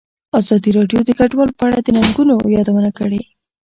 ازادي راډیو د کډوال په اړه د ننګونو یادونه کړې.